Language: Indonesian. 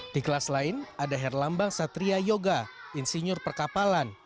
di kelas lain ada herlambang satria yoga insinyur perkapalan